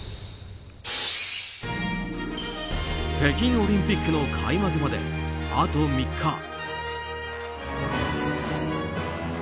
北京オリンピックの開幕まであと３日。